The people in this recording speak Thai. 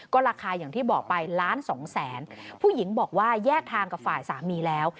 ราคาอย่างที่บอกไปล้านสองแสนผู้หญิงบอกว่าแยกทางกับฝ่ายสามีแล้ว